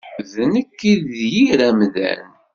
D nekk i d yir amdan.